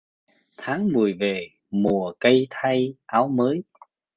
Tháng mười về mùa cây thay áo mới